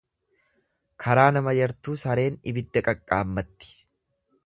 Karaa nama yartuu sareen ibidda qaqqaammatti.